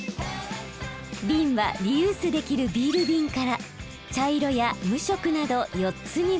ビンはリユースできるビールビンから茶色や無色など４つに分別。